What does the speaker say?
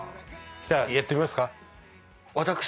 したらやってみますか？